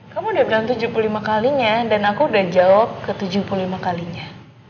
kamu udah bilang tujuh puluh lima kalinya dan aku udah jawab ke tujuh puluh lima kalinya